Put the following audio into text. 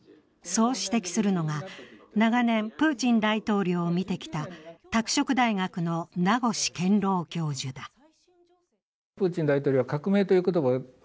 そう指摘するのが長年、プーチン大統領を見てきた拓殖大学の名越健郎教授だ。